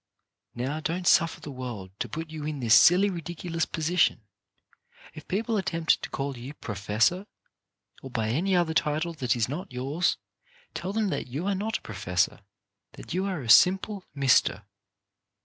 Now, don't suffer the world to put you in this silly, ridiculous position. If people attempt to call you "Professor," or by any other title that is not yours, tell them that you are not a professor, that you are a simple mister.